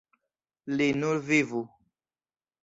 Li nur vivu.